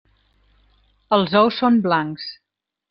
Els ous són blancs.